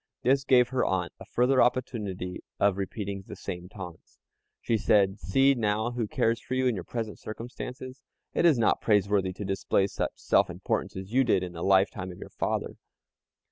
This gave her aunt a further opportunity of repeating the same taunts. She said, "See now who cares for you in your present circumstances. It is not praiseworthy to display such self importance as you did in the lifetime of your father."